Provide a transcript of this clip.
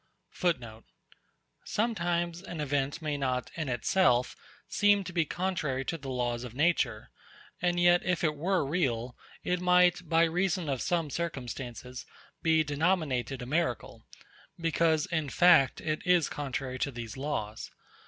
Sometimes an event may not, in itself, seem to be contrary to the laws of nature, and yet, if it were real, it might, by reason of some circumstances, be denominated a miracle; because, in fact, it is contrary to these laws.